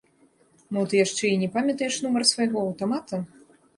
Мо, ты яшчэ і не памятаеш нумар свайго аўтамата?